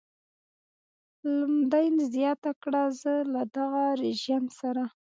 لومدین زیاته کړه زه له دغه رژیم سره.